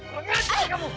kurang ajar kamu